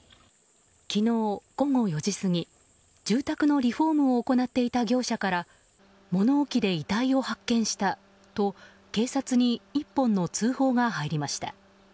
昨日午後４時過ぎ住宅のリフォームを行っていた業者から物置で遺体を発見したと警察に１本の通報が入りました。